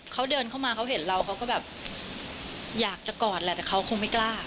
เขาเดินเข้ามาเขาเห็นเราเขาก็แบบอยากจะกอดแหละแต่เขาคงไม่กล้า